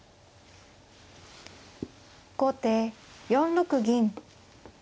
後手４六銀。